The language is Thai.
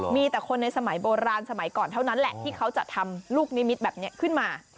มีแต่คนในสมัยโบราณสมัยก่อนเท่านั้นแหละที่เขาจะทำลูกนิมิตรแบบนี้ขึ้นมา